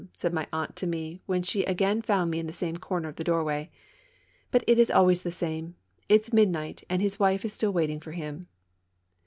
said my aunt to me when she again found me in the same corner of the doorway. "But it's always the same. It's mid night and his wife is still waiting for him."